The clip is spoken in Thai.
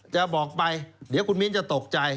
จะบอกไปเดี๋ยวคุณมิ้นจะตกใจ